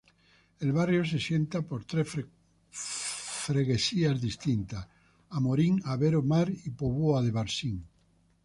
El barrio se asienta por tres freguesías distintas: Amorim, Aver-o-Mar y Póvoa de Varzim.